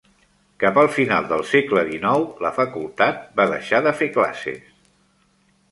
Cap al final del segle dinou la facultat va deixar de fer classes.